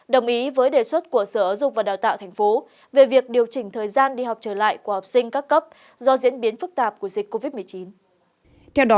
đồng ý với đề xuất của sở giáo dục và đào tạo tp về việc điều chỉnh thời gian đi học trở lại của học sinh các cấp do diễn biến phức tạp của dịch covid một mươi chín